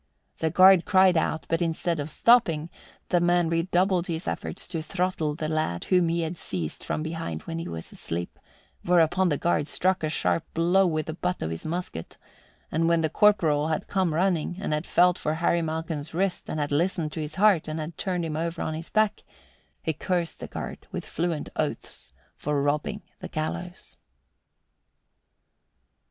The guard cried out, but instead of stopping, the man redoubled his efforts to throttle the lad whom he had seized from behind when he was asleep; whereupon the guard struck a sharp blow with the butt of his musket, and when the corporal had come running and had felt of Harry Malcolm's wrist and had listened for his heart and had turned him over on his back, he cursed the guard with fluent oaths for robbing the gallows.